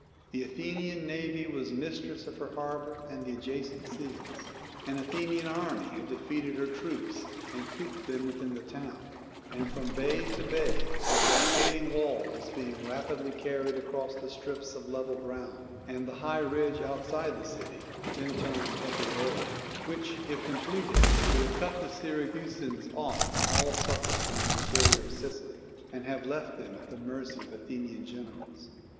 the Athenian navy was mistress of her harbour and the adjacent seas; an Athenian army had defeated her troops, and cooped them within the town; and from bay to bay a blockading wall was being rapidly carried across the strips of level ground and the high ridge outside the city (then termed Epipolae), which, if completed, would have cut the Syracusans off from all succour from the interior of Sicily, and have left them at the mercy of the Athenian generals.